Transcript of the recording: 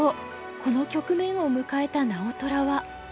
この局面を迎えた直虎は。